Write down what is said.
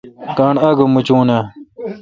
گانٹھ آگہ موچوناں؟